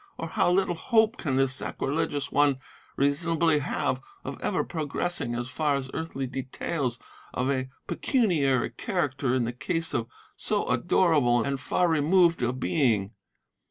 or how little hope can this sacrilegious one reasonably have of ever progressing as far as earthly details of a pecuniary character in the case of so adorable and far removed a Being?